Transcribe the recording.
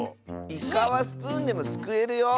イカはスプーンでもすくえるよ。